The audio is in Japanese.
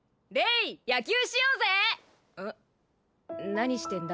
何してんだ？